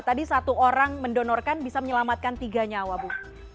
tadi satu orang mendonorkan bisa menyelamatkan tiga nyawa bu